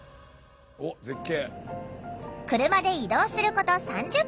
車で移動すること３０分。